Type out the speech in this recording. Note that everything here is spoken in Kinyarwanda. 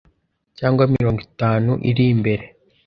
cyangwa mirongo itanu iri imbere,